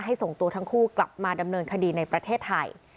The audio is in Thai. ส่งตัวทั้งคู่กลับมาดำเนินคดีในประเทศไทย